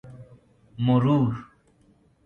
مرور